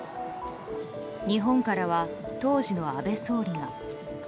日本からは当時の安倍総理が。